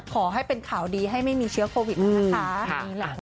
ขอให้เป็นข่าวดีให้ไม่มีเชื้อโควิดแล้วนะคะ